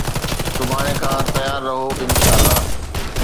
سڀاڻي کان تيار رهو، انشاءَ الله